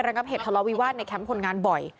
ระงับเหตุทะเลาวิวาสในแคมป์คนงานบ่อย